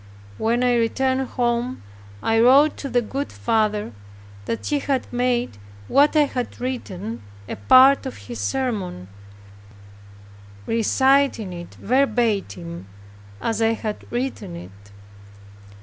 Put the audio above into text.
When I returned home, I wrote to the good father that he had made what I had written a part of his sermon, reciting it verbatim as I had written it.